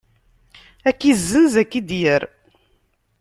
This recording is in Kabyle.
Ad k-izzenz, ad k-id-yerr.